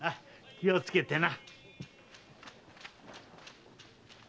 気をつけてな。